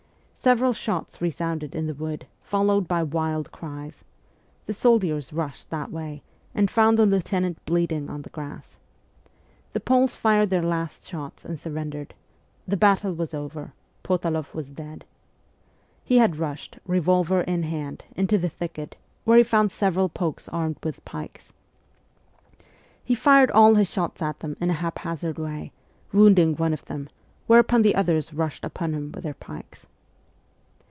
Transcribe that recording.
Several shots resounded in the wood, followed by wild cries ; the soldiers rushed that way, and found the Lieutenant bleeding on the grass. The Poles fired their last shots and surrendered ; the battle was over, Potaloff was dead. He had rushed, revolver in hand, into the thicket, where he found SIBERIA 267 several Poles armed with pikes. He fired all his shots at them in a haphazard way, wounding one of them, whereupon the others rushed upon him with their pikes.